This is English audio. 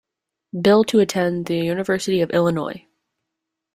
Bill to attend the University of Illinois.